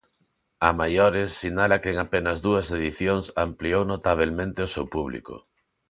A maiores, sinala que en apenas dúas edicións ampliou notabelmente o seu público.